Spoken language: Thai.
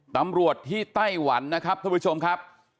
ตำรวจที่ไต้หวันนะครับท่านผู้ชมครับ